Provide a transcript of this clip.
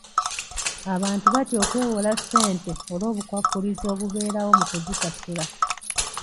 Abantu batya okwewola ssente olw'obukwakkulizo obubeerawo mu kuzisasula.